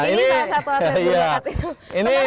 ini salah satu atlet berbahagia kan itu